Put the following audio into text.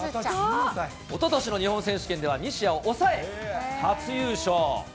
おととしの日本選手権では西矢を抑え、初優勝。